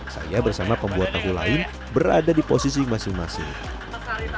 saya bersama pembuat tahu lain berada di posisi masing masing